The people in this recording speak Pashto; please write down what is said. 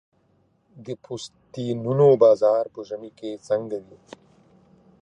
د پوستینونو بازار په ژمي کې څنګه وي؟